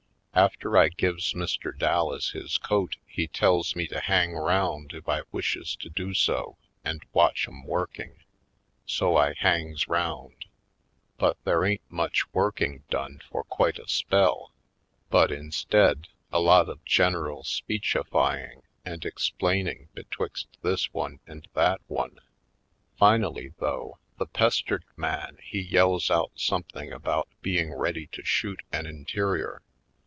After I gives Mr. Dallas his coat he tells me to hang round if I wishes to do so and watch 'em working. So I hangs round. But there ain't much working done for quite a spell but, instead, a lot of general speechifying and explaining betwixt this one and that one. Finally though, the pest 128 /. Poindexterj Colored ered man he yells out something about be ing ready to shoot an interior.